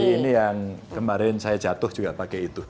jadi ini yang kemarin saya jatuh juga pakai itu